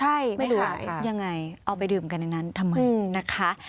ใช่ไม่รู้ยังไงเอาไปดื่มกันในนั้นทำไมนะคะ